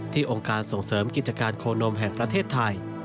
องค์การส่งเสริมกิจการโคนมแห่งประเทศไทย